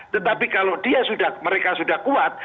tetapi kalau mereka sudah kuat